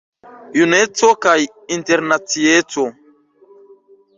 Juneco kaj internacieco.